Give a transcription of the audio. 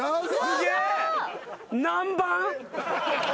すげえ。